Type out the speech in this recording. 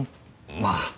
まあ。